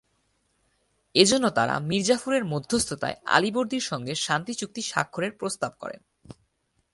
এজন্য তারা মীর জাফরের মধ্যস্থতায় আলীবর্দীর সঙ্গে শান্তি চুক্তি স্বাক্ষরের প্রস্তাব করেন।